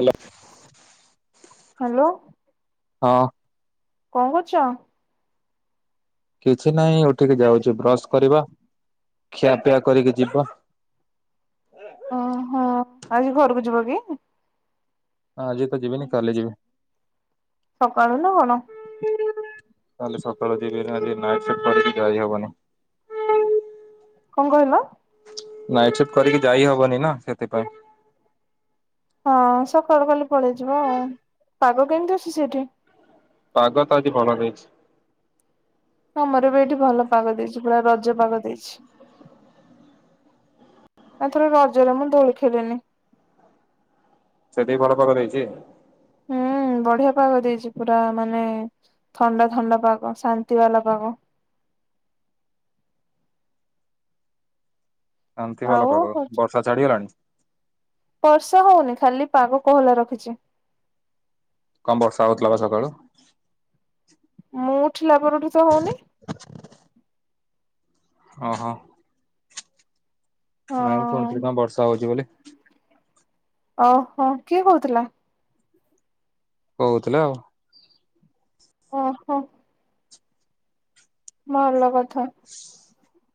Hello hello ହଁ। କଣ କରୁଛ? କିଛି ନାହିଁ ଉଠିକି ଯାଉଛି ବ୍ରଶ କରିବା ଖିଆପିଆ କରିକି ଯିବା। ଓହୋ! ଆଜି ଘରକୁ ଯିବ କି? ହଁ ଆଜି ତ ଯିବିନି କାଲି ଯିବି। ସକାଳୁ ନା କଣ। କାଲି ସକାଳୁ ଯିବି ଆଜି ନାଇଟ୍ ସିଫ୍ଟି କରିକି ଯାଇ ହବନି। କଣ କହିଲ? ନାଇଟ ସିଫ୍ଟ କରିକି ଯାଇ ହବନି ନା ସେଥିପାଇଁ। ହଁ ସକାଳୁ କାଲି ପଳେଇଯିବ। ପାଗ କେମିତି ଅଛି ସେଠି? ପାଗ ତ ଆଜି ଭଲ ହେଇଛି। ଆମରବି ଏଇଠି ଭଲ ପାଗ ଦେଇଛି ପୁରା ରଜ ପାଗ ଦେଇଛି। ଏଥର ରଜରେ ମୁଁ ଦୋଳି ଖେଳିନି। ସେଠି ଘର ପାଖରେ ହେଇଛି। ହୁଁ ବଢିଆ ପାଗ ଦେଇଛି ପୁରା ମାନେ ଥଣ୍ଡା ଥଣ୍ଡା ପାଗ ଶାନ୍ତି ବାଲା ପାଗ। ଶାନ୍ତି ବାଲା ଆଉ ପାଗ ବର୍ଷା ଛାଡିଗଲାଣି? ବର୍ଷା ହଉନି ଖାଲି ପାଗ କୋହଲା ରଖିଚି। କଣ ବର୍ଷା ହଉଥିଲା ବା ସକାଳୁ? ମୁଁ ଉଠିଲା ପରଠୁ ତ ହଉନି। [inaudible] ଅ ହ। ନାଇଁ ଶୁଣିଥିଲି କଣ ବର୍ଷା ହଉଛି ବୋଲି? ଅ ହ କିଏ କହୁଥିଲା। କହୁଥିଲେ ଆଉ। ଓହ। ଭଲ କଥା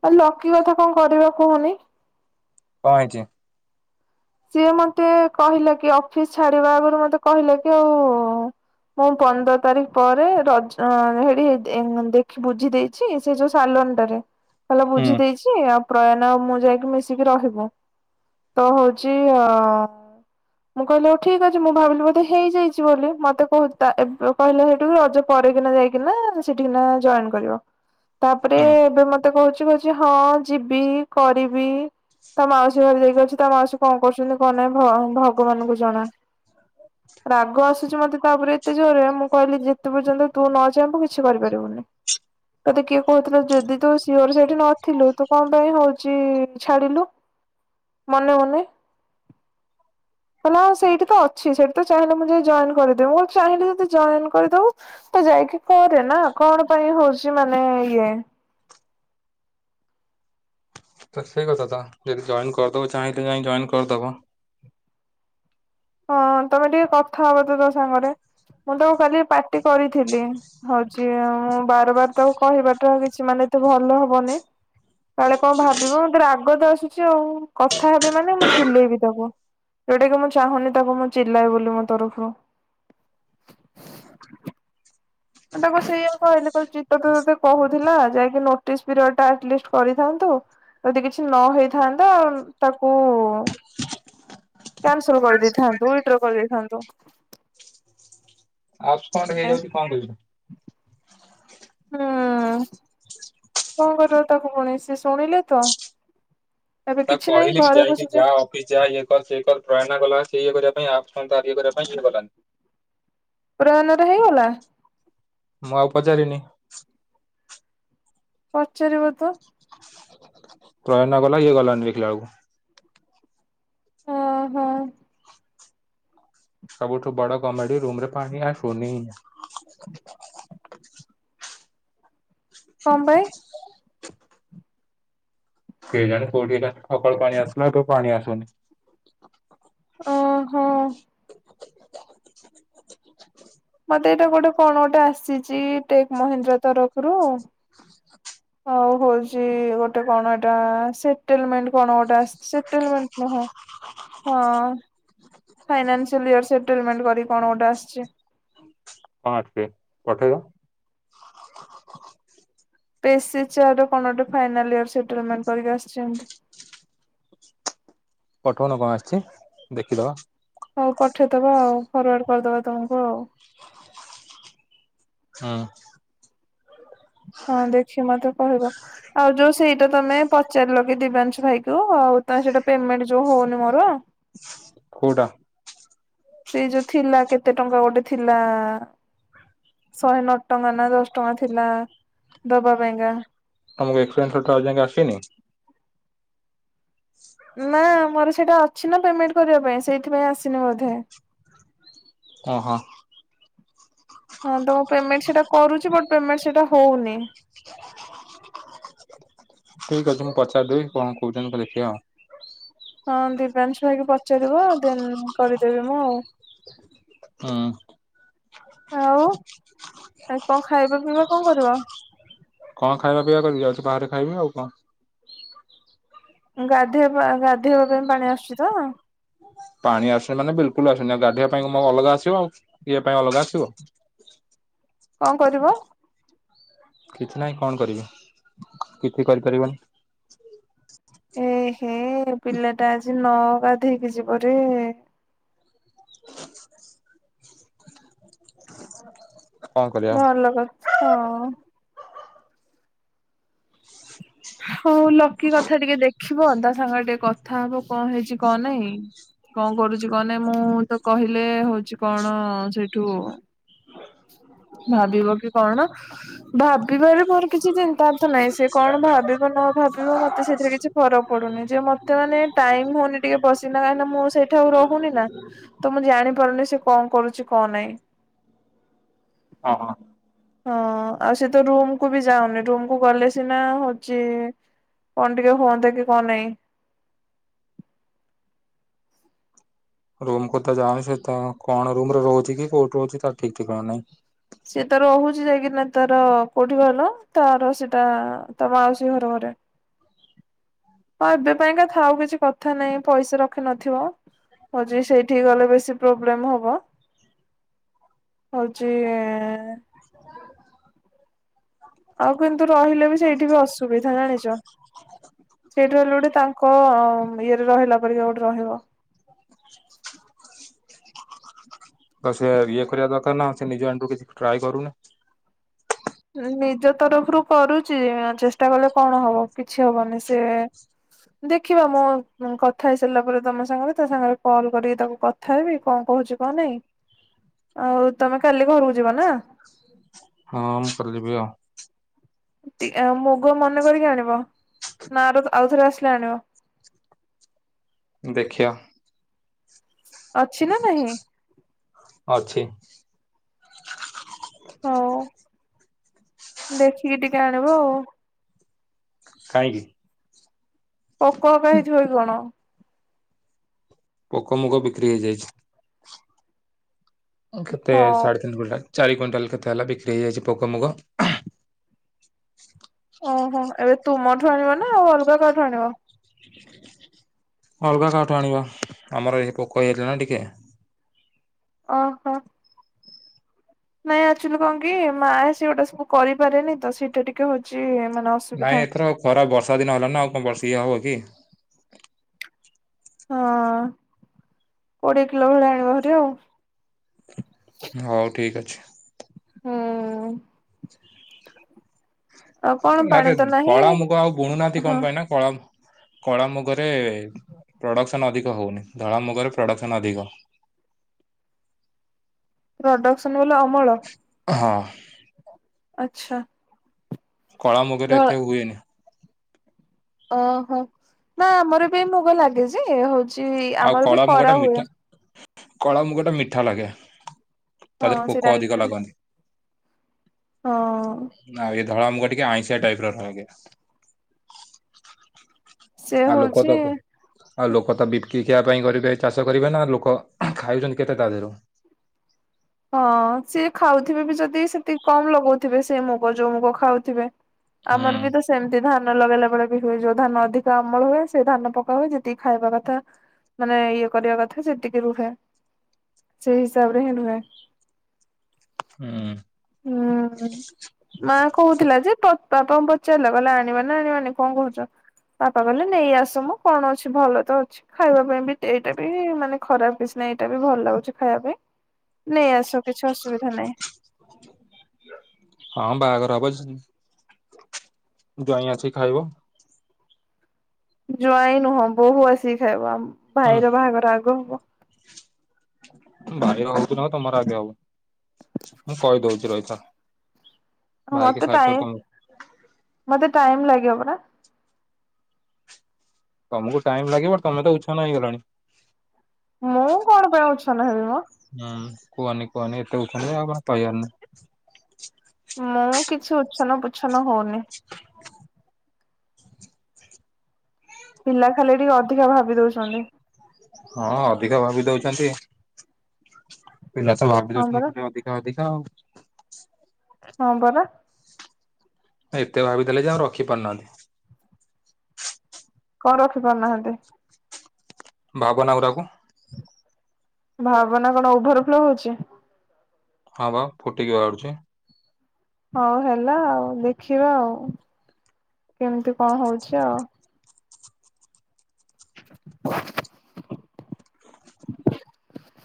ଆଉ ଲକି କଥା କଣ କରିବା କୁହନି? କଣ ହେଇଛି? ସିଏ ମତେ କହିଲା କି ଅଫିସ ଛାଡିବା ଆଗରୁ ମତେ କହିଲା କି ଆଉ ମୁଁ ପନ୍ଦର ତାରିଖ ପରେ ରଜ ହେଠି ଦେଖି ବୁଝି ଦେଇ ଛି ସେ ଯୋଉ ସାଲନ୍ଟାରେ। କହିଲା ହୁଁ ବୁଝି ଦେଇଛି ଆଉ ପ୍ରୟାନ ଆଉ ମୁଁ ଯାଇକି ମିଶିକି ରହିବ ତ ହଉ ଚି ଅ। ମୁଁ କହିଲି ଆଉ ଠିକ ଅଛି ମୁଁ ଭାବିଲି ବୋଧେ ହେଇଯାଇଛି ବୋଲି ମତେ କହୁ ତା ଏବେ କହିଲା ହେଇଠୁ ରଜ ପରେ କିନା ଯାଇକିନା ସେଠିକିନା ଜଏନ କରିବ। [inaudible] ତାପରେ ହୁଁ ଏବେ ମ ତେ କହୁଛି କହୁଛି ହଁ ଯିବି କରିବି ତା ମାଉସୀ ଘରେ ଯାଇକି ଅଛି ତା ମାଉସୀ କଣ କରୁଛନ୍ତି କଣ ନାହିଁ ଭ ଭଗବାନଙ୍କୁ ଜଣା। [inaudible] ରାଗ ଆସୁଛି ମତେ ତାପରେ ଏତେ ଜୋରରେ ମୁଁ କହିଲି ଯେତେ ପର୍ଯ୍ୟନ୍ତ ତୁ ନ ଚାହିଁବୁ କିଛି କରିପାରିବୁନି। ତେତେ କିଏ କହୁଥିଲା ଯଦି ତୁ ସିଅର ସେଇଠି ନଥିଲୁ ତୁ କଣ ପାଇଁ ହଉଛି ଛାଡିଲୁ। [inaudible] ମନେ ମନେ। କହିଲା ହଁ ସେଇଠି ତ ଅଛି ସେଇଠ ତ ଚାହିଁଲେ ମୁଁ ଯାଇ ଜଏନ କରିଦେବି ମୁ ଚାହିଁଲେ ଯଦି ଜଏନ କରିଦବୁ। ତ ଯାଇକି କରେ ନା କଣ ପାଇଁ ହଉଛି ମାନେ ଇଏ। ତ ସେଇ କଥା ତ ଯଦି ଜଏନ କରିଦବ ଚାହିଁଲେ ଯାଇ ଜଏନ କରିଦବ। ହଁ ତମେ ଟିକେ କଥା ହବ ତ ତା ସାଙ୍ଗରେ ମୁଁ ତାଙ୍କୁ କାଲି ପାର୍ଟି କରିଥିଲି। ହଉଛି ଅ ବାରବାର ତାକୁ କହିବାଟା କିଛି ମାନେ ଏତେ ଭଲ ହବନି। କାଳେ କଣ ଭାବିବ ମୋତେ ରାଗ ତ ଆସୁଛି ଆଉ କଥା ହେବି ମାନେ ମୁଁ ଚିଲେଇବି ତାକୁ। ଯୋଉଟା କି ମୁଁ ଚାହୁଁନି ତାକୁ ମୁଁ ଚିଲାଏ ବୋଲି ମୋ ତରଫରୁ। ହ [inaudible] ମୁଁ ତାକୁ ସେଇଆ କହିଲି କ ଚିତ ତ ତତେ କହୁଥିଲା ଯାଇକି ନୋଟିସ ପିରିୟଡ ଟା ଆଟଲିଷ୍ଟ କରିଥାନ୍ତୁ। ଯଦି କିଛି ନ ହେଇଥାନ୍ତା ତାକୁ କ୍ୟାନସଲ କରିଦେଇଥାନ୍ତୁ, ଉଇଡ୍ରୋ କରିଦେଇଥାନ୍ତୁ। ଅଫଣ୍ଡ ହେଇଯାଉଛି କଣ କରିବୁ। ହୁଁ। କଣ କରିବା ତାକୁ ପୁଣି ସିଏ ଶୁଣିଲେ ତ ଏବେ କିଛି ନାହିଁ ଘରେ ବସିଛେ। ଅ ଯା ଇଏ [unintelligible] କରଏ ପ୍ରୟରଣା କଲା ସେ ଇଏ କରିବା ପାଇଁ ଆ ଇଏ କରିବା ପାଇଁ ଆ ଗଲା। ପ୍ରୟନରେ ହେଇଗଲା। ମୁଁ ଆଉ ପଚାରିନି। ପଚାରିବ ତ। ପ୍ରୟାନ ଗଲା ଇଏ ଗଲାଣି ଦେଖିଲା ବେଳକୁ। ଓଁ ହୋ। ସବୁଠୁ ବଡ କମେଡି ରୁମ ରେ ପାଣି ଆସୁନି। କଣ ପାଇଁ? କେ ଜାଣି କୋଉଠି ସକାଳୁ ପାଣି ଆସିଲା କୁ ପାଣି ଆସୁନି। ଓହୋ। ମତେ ଏଇଟା ଗୋଟେ କଣ ଗୋଟେ ଆସିଛି ଟେକ୍ ମହିନ୍ଦ୍ରା ତରଫରୁ। ହଉ ହଉଛି ଗୋଟେ କଣ ଏଟା ସେଟଲମେଣ୍ଟ କଣ ଗୋଟେ ଆସି ସେଟଲମେଣ୍ଟ ନୁହଁ ହଁ। ଫାଇନାନ୍ସିଆଲ୍ ଇୟର୍ ସେଟଲମେଣ୍ଟ କରିକ କଣ ଗୋଟେ ଆସିଛି। ହଁ ଅଛି ପଠେଇବ। [unintelligible] କଣ ଫନାଲିୟର ସେଟ ଗମେଣ୍ଟ କରିକି ଆସିଛି। [unintelligible] ଆସିଛି ଦେଖିଦବା। ହଉ ପଠେଇଦବା ଆଉ ଫରୱାର୍ଡ କରିଦେବା ତମକୁ ଆଉ। ହଁ। ହଁ ଦେଖି ମତେ କହିବ। ଆଉ ଯୋଉ ସେଇଟା ତମେ ପଚାରିଲ କି ଦିବ୍ୟାଂଶୁ ଭାଇ କୁ ଆଉ ତମେ ସେଇଟା ପେମେଣ୍ଟ ଯୋଉ ହଉନି ମୋର। କୋଉଟା? ସେଇ ଯୋଉ ଥିଲା କେତେ ଟଙ୍କା ଗୋଟେ ଥିଲା। ଶହେ ନଅ ଟଙ୍କା ନା ଦଶ ଟଙ୍କା ଥିଲା ଦବା ପାଇଁକା। ତମକୁ ଏକ୍ି [unintelligible] ଆସିନି। ନା ମୋର ସେଇଟା ଅଛି ନା ପେମେଣ୍ଟ କରିବା ପାଇଁ ସେଇଥିପାଇଁ ଆସିନି ବୋଧେ। ଓହୋ। ହଁ ତ ମୁଁ ପେମେଣ୍ଟ ସେଟା କରୁଛି ବାଟ ପେମେଣ୍ଟ ସେଟା ହଉନି। [inaudible] ଠିକ ଅଛି ମୁଁ ପଚାରିଦେବି କଣ କହୁଛନ୍ତି ଦେଖିବା। ହଁ ଦିବ୍ୟାଂଶ ଭାଇକି ପଚାରିବ ଦେନ କରିଦେବି ମୁଁ ଆଉ। ହଁ। ଆଉ ଆଉ କଣ ଖାଇବା ପିଇବା କଣ କରିବ? କଣ ଖାଇବା ପିଇବା କରି ଯାଉଛି ବାହାରେ ଖାଇବି ଆଉ କଣ। ଗାଧୋଇବା ଗାଧୋଇବା ପାଇଁ ପାଣି ଆସୁଛି ତ? ପାଣି ଆସୁନି ମାନେ ବିଲକୁଲ ଆସୁନି ଗାଧିବା ପାଇଁ କି ମୋ ଅଲଗା ଆସିବ ଆଉ ଇଏ ପାଇଁ ଅଲଗା ଆସିବ। କଣ କରିବ? କିଛି ନାହିଁ କଣ କରିବି କିଛି କରିପାରିବନି। ଏ ହେ ପିଲା ଟା ଆଜି ନଅ ଗାଧେଇକି ଯିବ ରେ। [inaudible] କଣ କରିବା ଭଲ [unintelligible] ହଁ। ହଉ ଲକି କଥା ଟିକେ ଦେଖିବ ତା ସାଙ୍ଗରେ ଟିକେ କଥା ହବ କଣ ହେଇଛି କଣ ନାଇଁ। କଣ କରୁଛି କଣ ନାହିଁ ମୁଁ ତ କହିଲେ ହଉଛି କଣ ସେଇଠୁ ଭାବିବ କି କଣ ଭାବିବାରେ ମୋର କିଛି ଚିନ୍ତାର୍ଥ ନାହିଁ ସେ କଣ ଭାବ [unintelligible] ମତେ ସେଥିରେ କିଛି ଫର ପଡୁନି ଯେ ମତେ ଟାଇମ ହଉନି ଟିକେ ବସ ସିନା କାହିଁକି ନା ମୁଁ ସେଇଠା ରହୁନି ନା ତ ମୁଁ ଜାଣିପାରୁନି ସେ କଣ କରୁଛି କଣ ନାହିଁ। ହଁ ହଁ। ହଁ ଆଉ ସେ ତ ରୁମ କୁ ବି ଯାଉନି। ରୁମ କୁ ଗଲେ ସିନା ହଉଛି କଣ ଟିକେ ହୁଅନ୍ତା କି କଣ ନାଇଁ। ରୁମ କଥା ଯା ସେ ତ କଣ ରୁମରେ ରହୁଛି କି କୋଉଠି ରହୁଛି ତା ଠିକ ଠିକଣା ନାହିଁ। ସିଏ ତାର ରହୁଛି ଯାଇକିନା ତାର କେଉଁଠି କହିଲ ତାର ସେଇଟା ତ ମାଉସୀ ଘର ଘରେ। ହଁ ଏବେ ପାଇଁକା ଥାଉ ଆଉ କିଛି କଥା ନାହିଁ ପଇସା ରଖିିନଥିବ। ହଉଛି ସେଇଠିକ ଗଲେ ବେଶି ପ୍ରୋବ୍ଲେମ ହବ। ହଉଛି। [inaudible] ଆଉ କିନ୍ତୁ ରହିଲେ ବି ସେଇଠି ବି ଅସୁ ସୁବିଧା ଜାଣିଛ ସେଇଠା ହେଲେ ଗୋଟେ ତାଙ୍କ ଇଏରେ ରହିଲା ପରିକା ଗୋଟେ ରହିବ। ତ ସେ ଇଏ କରିବା ଦରକାର ନା ସେ ନିଜ ଆଡୁ କିଛି ଟ୍ରାଏ କରୁନି। ନିଜ ତରଫରୁ କରୁଛି ଚେଷ୍ଟା କଲେ କଣ ହବ କିଛି ହବନି ସେ ଦେଖିବା ମୁଁ କଥା ହେଇସାରିଲା ପରେ ତମ ସାଙ୍ଗରେ ତା ସାଙ୍ଗରେ କଲ୍ କରିକି ତାକୁ କଥା ହେବି କଣ କହୁଛି କଣ ନାଇଁ? ହ ଆଉ ତମେ କାଲି ଘରକୁ ଯିବ ନା? ହଁ ମୁଁ କାଲି ଯିବା ଆଉ। ଟିକେ ମୁଗ ମନେ କରିକି ଆଣିବ ନା ର ଆଉଥରେ ଆସିଲେ ଆଣିବ? ଦେଖିବା। ଅଛି ନା ନାହିଁ? ଅଛି। ହଉ ଦେଖିକି ଟିକେ ଆଣିବ ଆଉ। କାହିଁକି? ପୋକ ହୋକ ହେଇଯିବକି କଣ? ପୋକ ମୁଗ ବିକ୍ରି ହେଇଯାଇଛି। କେତେ ହଉ ସାଢ଼େ ତିନି କୁଇଣ୍ଟାଲ ଚାରି କୁଇଣ୍ଟାଲ କେତେ ହେଲା ବିକ୍ରି ହେଇଯାଇଛି ପୋକ ମୁଗ। ଓହୋ ଏବେ ତୁମଠୁ ଆଣିବ ନା ଆଉ ଅଲଗା କାହାଠୁ ଆଣିବ? ଅଲଗା କାହାଠୁ ଆଣିବା ଆମର ଏଇ ପୋକ ହେଇଯାଇଥିଲା ନା ଟିକେ। ଅ। ନାଇଁ ଆଚୁଆଲି କଣ କି ମା ସେ ଗୋଟେ ସବୁ କରିପାରେନି ତ ସେଇଟା ଟିକେ ହଉଛି ମାନେ ନାଇଁ ଅସୁବିଧା ଏଥର ଆଉ ଖରାପ ବର୍ଷା ଦିନ ହେଲା ନା ଆଉ କଣ ବର୍ଷା ଇଏ ହବ କି? ହଁ କୋଡିଏ କିଲୋ ଭଳି ଆଣିବ ଘରେ ଆଉ। ହଉ ଠିକ୍ ଅଛି। ହୁଁ। ଆଉ କଣ ପାଣି ଆରେ ତ ନାହିଁ କଳା ମୁଗ ଆଉ ବୁଣୁନାହାନ୍ତି ହଁ କଣ ପାଇଁ ନା? କଳା କଳା ମୁଗରେ ପ୍ରଡ଼କ୍ସନ୍ ଅଧିକ ହେଉନି ଧଳା ମୁଗରେ ପ୍ରଡ଼କ୍ସନ୍ ଅଧିକ। ପ୍ରଡକ୍ସନ ବଲେ ଅମଳ? ହଁ। ଆଚ୍ଛା। କଳା ମୁଗରେ ଧଳ ଏତେ ହୁଏନି। ଓହୋ ନା ଆମର ବି ମୁଗ ଲାଗେ ଯେ ହଉଛି ଆଉ ଆମର ବି କଳା ମୁଗ କରା ଟା ମିଠା ହୁଏ। କଳା ମୁଗ ଟା ମିଠା ଲାଗେ ତା ଦେହରେ ହଁ ସେଇଟା ପୋକ ଅଧିକ ଲାଗନ୍ତି। ହଁ। ନା ଏଇ ଧଳା ମୁଖ ଟିକେ ଆଇଁଶିଆ ଟାଇପ୍ ର ଲାଗେ [unintelligible] ସେ ଆ ଲୋକ ହଉଛି ତ ଆଗ। ଆଉ ଲୋକ ତ ବିକିି ଖିଆ ପାଇଁ କରିବେ ଚାଷ କରିବେ ନା ଲୋକ ଖାଉଛନ୍ତି କେତେ ତା ଦେହରୁ। ହଁ ସିଏ ଖାଉଥିବେ ବି ଯଦି ସେତିକି କମ ଲଗଉଥିବେ ସେ ମୁଗ ଯୋଉ ମୁଗ ଖାଉଥିବେ। ହୁଁ ଆମର ବି ତ ସେମତି ଧାନ ଲଗେଇଲା ବେଳେ ହୁଏ ଯୋଉ ଧାନ ଅଧିକା ଅମଳ ହୁଏ ସେ ଧାନ ପକା ହୁଏ ଯେତିକି ଖାଇବା କଥା ମାନେ ଇଏ କରିବା କଥା ସେତିକି ରୁହେ ସେଇ ହିସାବ ରେ ହିଁ ରୁହେ। ହୁଁ ହୁଁ, ହୁଁ। ମା କହୁଥିଲା ଯେ ପା- ପାପାଙ୍କୁ ପଚାରିଲା କହିଲା ଆଣିବାନ ଆଣିବାନି କଣ କହୁଛ? ବାପା କହିଲେ ନେଇ ଆସ ମ କଣ ଅଛି ଭଲ ତ ଅଛି। ଖାଇବା ପାଇଁ ବି ଏଇଟା ବି ମାନେ ଖରାପ କିଛି ନାହିଁ ଏଇଟା ବି ଭଲ ଲାଗୁଛି ଖାଇବା ପାଇଁ। ନେଇ ଆସ କିଛି ଅସୁବିଧା ନାହିଁ। ହଁ ବାହାଘର ହବ ସେ ଜ୍ୱାଇଁ ଆସି ଖାଇବ। ଜାଇଁ ନୁହଁ ବୋହୁ ଆସିକି ଖାଇବ ଆମ ହୁଁ ଭାଇର ବାହାଘର ଆଗ ହବ। ଭାଇ ର ହଉ କି ନ ହଉ ତମର ଆଗେ ହବ। ମୁଁ କହିଦଉଛି ରହିଥା। ଭାଇକି ମତେ ସାଇଡ କରି ଟାଇମ୍ ତମକୁ ମତେ ଟାଇମ୍ ଲାଗିବ ପରା। ତମକୁ ଟାଇମ୍ ଲାଗିବ ତମେ ତ ଉଚ୍ଛନ ହେଇଗଲଣି। ମୁଁ କଣ ପାଇଁ ଉଚ୍ଛନ୍ନ ହେବିମ। ହୁଁ କୁହନି କୁହନି ଏତେ ଉଛନ୍ ଜେ ଆଉ କଣ କହିବାର ନାହିଁ [unintelligible] ମୁଁ କିଛି ଉଛନ ପୁଚ୍ଛନ ହଉନି। [inaudible] ପିଲା ଖାଲି ଟିକେ ଅଧିକ ଭାବି ଦଉଛନ୍ତି। ହଁ ଅଧିକା ଭାବି ଦଉଛନ୍ତି ପିଲା ତ ଭାବି ହଁ ଦଉଛନ୍ତି ପରା ଖାଲି ଅଧିକ। ଅଧିକା ଆଉ। ହଁ ପରା। ଏତେ ଭାବି ଦେଲେ ଯେ ଆଉ ରଖି ପାରୁନାହାନ୍ତି। କଣ ରଖି ପାରୁନାହାନ୍ତି। ଭାବନାଗୁଡାକୁ। ଭାବନା କଣ ଓଭର ଫ୍ଲୋ ହଉଛି? ହଁ ବା ଫୁଟିକି ବାହାରୁଛି। ହଉ ହେଲା ଆଉ ଦେଖିବା ଆଉ କେମିତି କଣ ହଉଛି ଆଉ। [inaudible]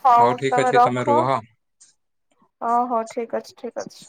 ହଉ ଠିକ ତମେ ଅଛି ରଖ ରୁହ। ଓହୋ ଠିକ୍ ଅଛି ଠିକ୍ ଅଛି।